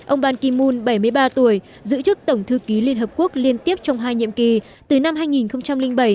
ông ban kim mun bảy mươi ba tuổi giữ chức tổng thư ký liên hợp quốc liên tiếp trong hai nhiệm kỳ từ năm hai nghìn bảy